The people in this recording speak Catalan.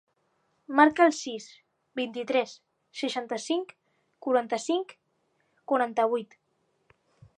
Marca el sis, vint-i-tres, seixanta-cinc, quaranta-cinc, quaranta-vuit.